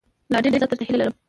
لا ډېر عزت، درته هيله لرم